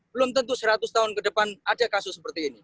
belum tentu seratus tahun ke depan ada kasus seperti ini